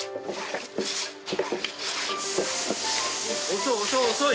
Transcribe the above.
遅い遅い遅い！